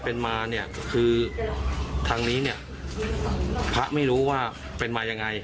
เป็นมาเนี่ยคือทางนี้เนี่ยพระไม่รู้ว่าเป็นมายังไง